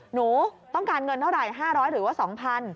หนูต้องการเงินเท่าไหร่๕๐๐หรือว่า๒๐๐บาท